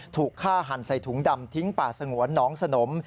ถูกฆ่าหันใส่ถุงดำทิ้งป่าสงวนหนองสนม